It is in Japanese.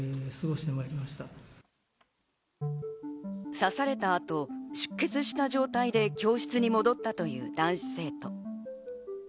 刺された後、出血した状態で教室に戻ったという男子生徒。